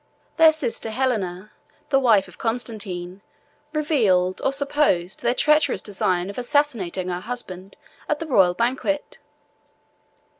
Their sister Helena, the wife of Constantine, revealed, or supposed, their treacherous design of assassinating her husband at the royal banquet.